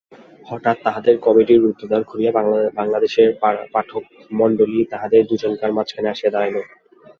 হঠাৎ তাহাদের কমিটির রুদ্ধ দ্বার খুলিয়া বাংলাদেশের পাঠকমণ্ডলী তাহাদের দুজনকার মাঝখানে আসিয়া দাঁড়াইল।